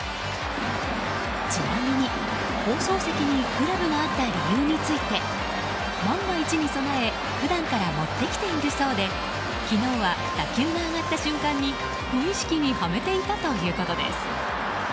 ちなみに、放送席にグラブがあった理由について万が一に備え普段から持ってきているそうで昨日は、打球が上がった瞬間に無意識にはめていたということです。